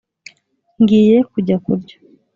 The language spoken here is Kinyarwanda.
ngiye kujya kurya